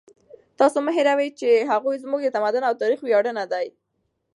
تاسو مه هېروئ چې هغوی زموږ د تمدن او تاریخ ویاړونه دي.